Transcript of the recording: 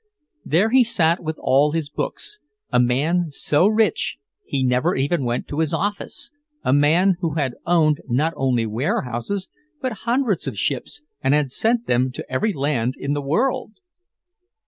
There he sat with all his books, a man so rich he never even went to his office, a man who had owned not only warehouses but hundreds of ships and had sent them to every land in the world!